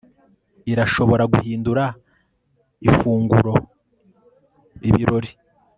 irashobora guhindura ifunguro ibirori